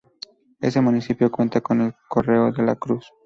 Este municipio cuenta con el cerro de la Cruz.